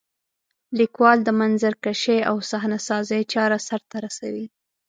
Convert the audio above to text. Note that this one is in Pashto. لیکوال د منظرکشۍ او صحنه سازۍ چاره سرته رسوي.